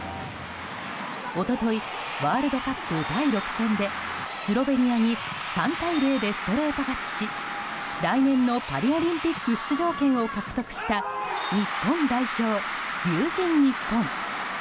一昨日、ワールドカップ第６戦でスロベニアに３対０でストレート勝ちし来年のパリオリンピック出場権を獲得した日本代表、龍神ＮＩＰＰＯＮ。